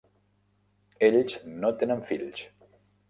Ells no tenen fills.